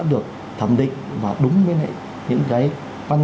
được thẩm định và đúng với những cái văn